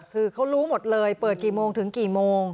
คือเขารู้หมดเลยเปิดกี่โมงถึงกี่โมง